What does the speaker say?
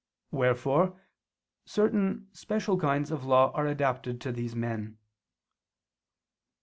Wherefore certain special kinds of law are adapted to these men.